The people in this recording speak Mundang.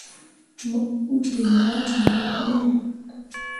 Mo uu diŋ ah lira gin bo.